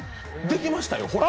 できましたよ、ほら。